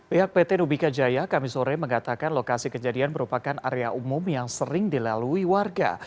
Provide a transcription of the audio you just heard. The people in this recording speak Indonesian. pihak pt nubika jaya kami sore mengatakan lokasi kejadian merupakan area umum yang sering dilalui warga